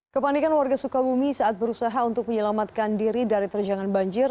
kepanikan warga sukabumi saat berusaha untuk menyelamatkan diri dari terjangan banjir